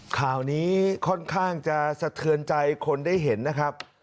ข่าวนี้ค่อนข้างจะสะเทือนใจคนได้เห็นนะครับ